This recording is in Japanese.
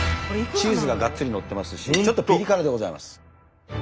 チーズがガッツリのってますしちょっとピリ辛でございます。